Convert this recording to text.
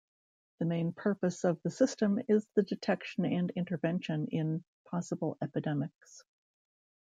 The main purpose of the system is the detection and intervention in possible epidemics.